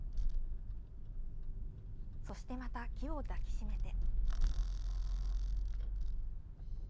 そしてまた木を抱き締めて。